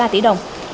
sáu ba tỷ đồng